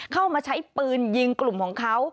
เข้ามาใช้ปืนยิงกลุ่มของเขา